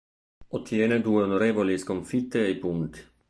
Ottiene due onorevoli sconfitte ai punti.